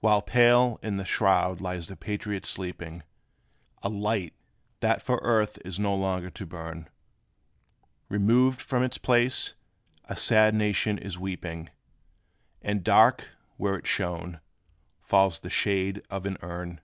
While pale in the shroud lies the Patriot sleeping, A light, that for earth is no longer to burn, Removed from its place, a sad nation is weeping; And dark, where it shone, falls the shade of an urn.